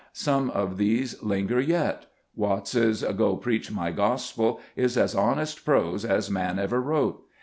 Some of these linger yet. Watts's " Go, preach My gospel " is as honest prose as man ever wrote.